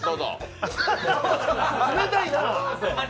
冷たいなあ！